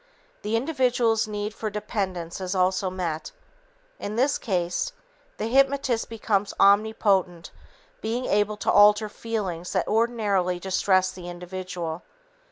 The individual's need for dependence is also met. In this case, the hypnotist becomes omnipotent, being able to alter feelings that ordinarily distress the individual.